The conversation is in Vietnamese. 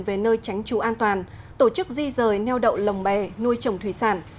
về nơi tránh trù an toàn tổ chức di rời neo đậu lồng bè nuôi chồng thủy sản